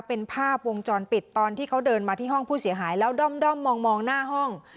เป็นภาพวงจรปิดตอนที่เขาเดินมาที่ห้องผู้เสียหายแล้วด้อมมองหน้าห้อง